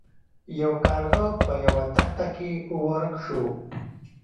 یو کارغه په یوه دښته کې ورک شو.